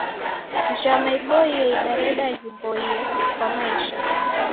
Njama iboie idareda ghiboie kwa maisha.